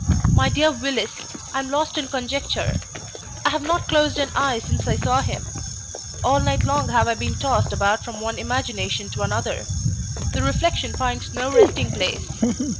My dear Willis, I am lost in conjecture. I have not closed an eye since I saw him. All night long have I been tossed about from one imagination to another. The reflection finds no resting place.